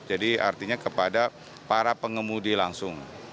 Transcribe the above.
jadi artinya kepada para pengemudi langsung